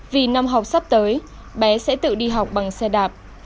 vì năm học sắp tới bé sẽ tự đi học bằng xe đạp